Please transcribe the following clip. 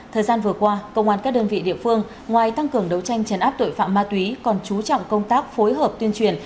thời gian vừa qua công an các đơn vị địa phương ngoài tăng cường đấu tranh chấn áp tội phạm ma túy còn chú trọng công tác phối hợp tuyên truyền